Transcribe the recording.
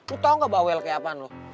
lu tau nggak bawel kayak apaan lu